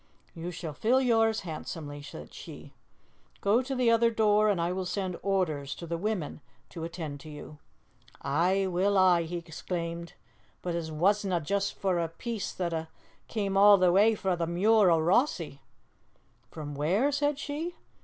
"You shall fill yours handsomely," said she; "go to the other door and I will send orders to the women to attend to you." "Aye, will I," he exclaimed, "but it wasna' just for a piece that a' cam' a' the way frae the muir o' Rossie." "From where?" said she.